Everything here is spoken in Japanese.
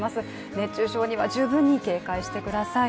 熱中症には十分に警戒してください。